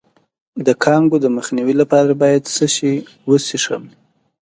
د کانګو د مخنیوي لپاره باید څه شی وڅښم؟